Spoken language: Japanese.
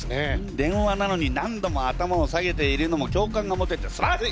電話なのに何度も頭を下げているのも共感が持ててすばらしい！